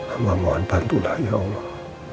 allah mohon bantulah ya allah